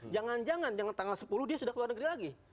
jangan jangan yang tanggal sepuluh dia sudah ke luar negeri lagi